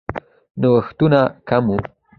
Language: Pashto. نوښتونه کم وو.